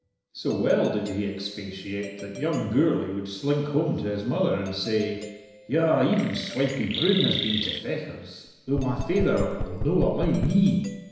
So well did he expatiate that young Gourlay would slink home to his mother and say, "Yah, even Swipey Broon has been to Fechars, though my faither 'ull no allow me!"